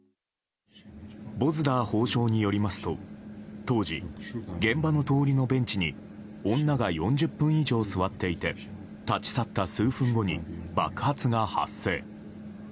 ボズダー法相によりますと当時、現場の通りのベンチに女が４０分以上座っていて立ち去った数分後に爆発が発生。